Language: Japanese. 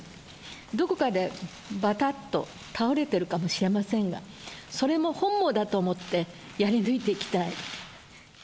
どこかでばたっと倒れてるかもしれませんが、それも本望だと思って、やり抜いていきたい。